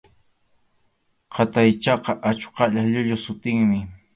Qataychaqa achuqallap llulla sutinmi.